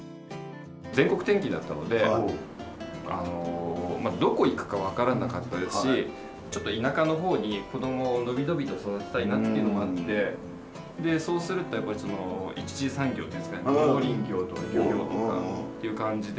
全国転勤だったのでどこ行くか分からなかったですしちょっと田舎の方に子供を伸び伸びと育てたいなっていうのもあってでそうすると一次産業ですね農林業とか漁業とかっていう感じで。